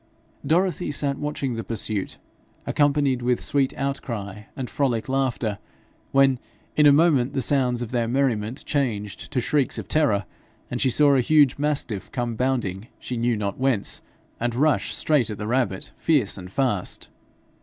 Dorothy sat watching the pursuit, accompanied with sweet outcry and frolic laughter, when in a moment the sounds of their merriment changed to shrieks of terror, and she saw a huge mastiff come bounding she knew not whence, and rush straight at the rabbit, fierce and fast.